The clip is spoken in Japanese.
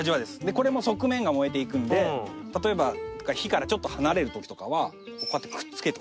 これも側面が燃えていくので例えば火からちょっと離れる時とかはこうやってくっつける。